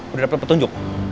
udah dapet petunjuk